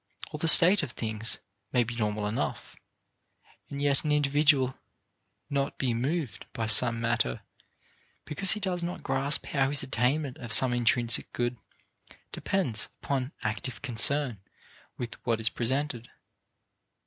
Or the state of things may be normal enough, and yet an individual not be moved by some matter because he does not grasp how his attainment of some intrinsic good depends upon active concern with what is presented.